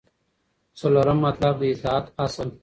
څلورم مطلب : د اطاعت اصل